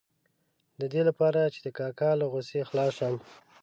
د دې لپاره چې د کاکا له غوسې خلاص شم.